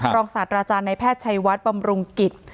ศาสตราจารย์ในแพทย์ชัยวัดบำรุงกิจ